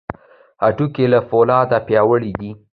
هډوکي له فولادو پیاوړي دي.